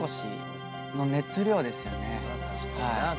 確かに。